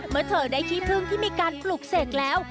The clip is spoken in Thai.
เมื่อเธอได้ที่พึ่งที่มีการปลูกเสกแล้ว